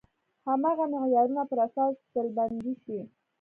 هماغه معیارونو پر اساس ډلبندي شي.